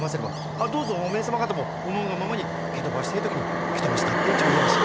あっどうぞおめえ様方も思うがままに蹴飛ばしてえ時に蹴飛ばしたってちょでまし！